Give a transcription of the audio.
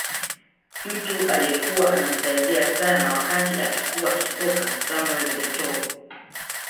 Mtu aliyekuwa anamsaidia sana wakati akikua kisoka Samuel Etoo